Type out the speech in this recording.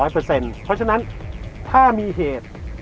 เพราะฉะนั้นถ้ามีเหตุ